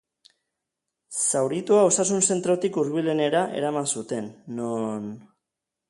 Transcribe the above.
Zauritua osasun zentrorik hurbilenera eraman zuten, non...